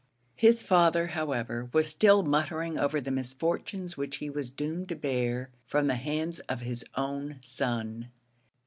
His father, however, was still muttering over the misfortunes which he was doomed to bear from the hands of his own son.